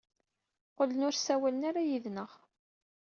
Qqlen ur ssawalen ara yid-neɣ.